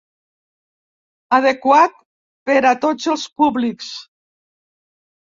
Adequat per a tots els públics.